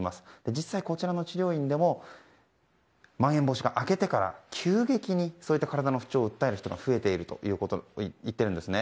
実際、こちらの治療院でもまん延防止が明けてから急激にそういった体の不調を訴える人が増えているといっています。